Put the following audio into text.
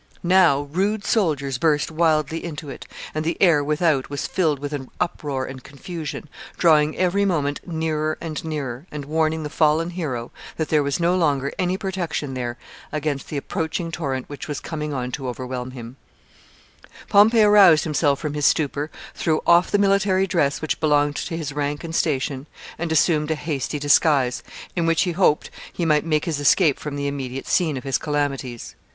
Now, rude soldiers burst wildly into it, and the air without was filled with an uproar and confusion, drawing every moment nearer and nearer, and warning the fallen hero that there was no longer any protection there against the approaching torrent which was coming on to overwhelm him. [Sidenote: Pompey disguises himself.] [Sidenote: He escapes from the camp.] Pompey aroused himself from his stupor, threw off the military dress which belonged to his rank and station, and assumed a hasty disguise, in which he hoped he might make his escape from the immediate scene of his calamities.